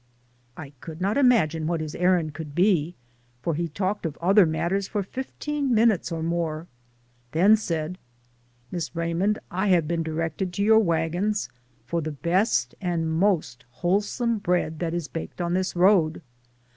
I could not imagine what his errand could be, for he talked of other matters for fifteen minutes or more, then said, "Miss Raymond, I have been directed to your wagons for the best and most wholesome bread that is baked on this road.